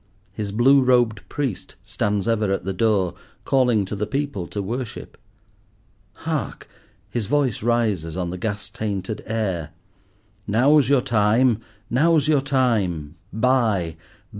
His blue robed priest stands ever at the door, calling to the people to worship. Hark! his voice rises on the gas tainted air—"Now's your time! Now's your time! Buy!